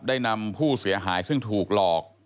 ได้นำผู้เสียหายซึ่งถูกหลอก